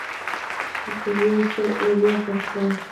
پر یو سل اویا پرته وه.